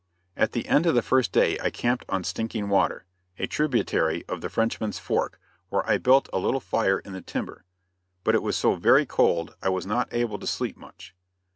At the end of the first day I camped on Stinking Water, a tributary of the Frenchman's Fork, where I built a little fire in the timber; but it was so very cold I was not able to sleep much.